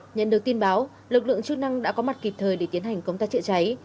nhận được tin báo lực lượng chức năng đã có mặt kịp thời để tiến hành công tác chữa cháy